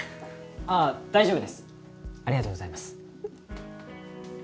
ああ大丈夫ですありがとうございます